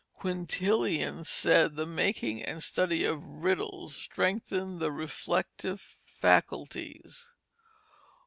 Quintilian said the making and study of riddles strengthened the reflective faculties.